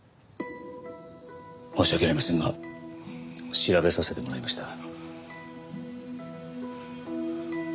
申し訳ありませんが調べさせてもらいました。